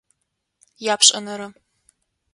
Япшӏэнэрэ.